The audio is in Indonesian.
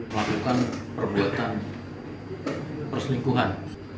melakukan perbuatan perselingkuhan